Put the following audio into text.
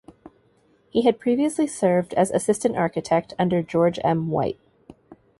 He had previously served as Assistant Architect under George M. White.